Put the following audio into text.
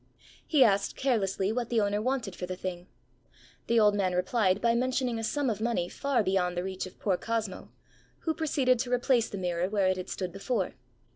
He asked carelessly what the owner wanted for the thing. The old man replied by mentioning a sum of money far beyond the reach of poor Cosmo, who proceeded to replace the mirror where it had stood before.